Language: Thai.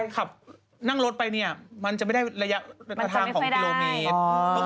ขับนั่งรถไปเนี่ยมันจะไม่ได้ระยะทางของกิโลเมตร